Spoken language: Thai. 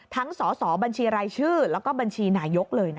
ทั้งสอบัญชีรายชื่อแล้วก็บัญชีนายยกเลย